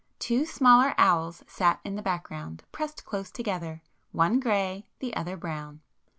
Two smaller owls sat in the background, pressed close together,—one grey, the other brown.